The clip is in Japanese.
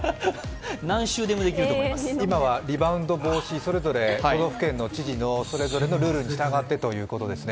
今はリバウンド防止、都道府県知事のそれぞれのルールに従ってということですね。